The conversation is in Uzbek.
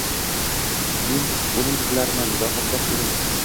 Men o‘lim tilarman, rohatbaxsh o‘lim